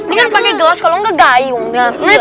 ini kan pakai gelas kalau enggak gayung